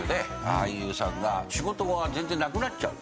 俳優さんが仕事が全然なくなっちゃうんですね。